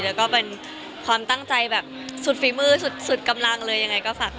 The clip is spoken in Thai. แล้วก็เป็นความตั้งใจแบบสุดฝีมือสุดกำลังเลยยังไงก็ฝาก